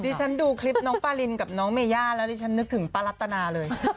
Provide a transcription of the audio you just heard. ฉันดูคลิปน้องปารินกับน้องเมย่าแล้วดิฉันนึกถึงป้ารัตนาเลย